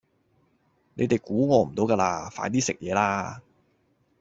你哋估我唔到㗎嘞，快啲食嘢啦